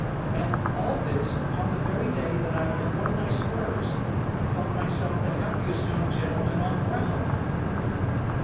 And all this upon the very day that I have won my spurs, and thought myself the happiest young gentleman on ground."